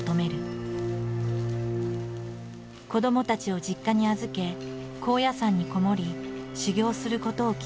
子どもたちを実家に預け高野山に籠もり修行することを決めた。